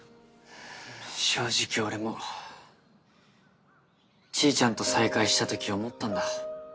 正直俺もちーちゃんと再会したとき思ったんだ。